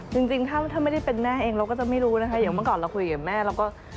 จริงถ้าไม่ได้เป็นแม่เองเราก็จะไม่รู้นะคะอย่างเมื่อก่อนเราคุยกับแม่เราก็